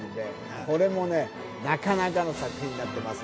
これもね、なかなかの作品になっています。